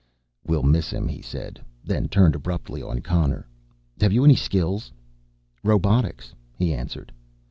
"We'll miss him," he said, then turned abruptly on Connor. "Have you any skills?" "Robotics," he answered.